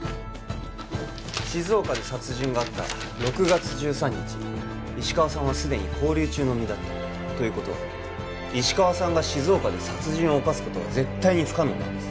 静岡で殺人があった６月１３日石川さんはすでに勾留中の身だったということは石川さんが静岡で殺人を犯すことは絶対に不可能なんです